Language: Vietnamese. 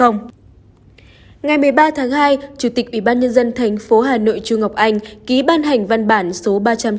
ngày một mươi ba tháng hai chủ tịch ủy ban nhân dân thành phố hà nội trung ngọc anh ký ban hành văn bản số ba trăm chín mươi bốn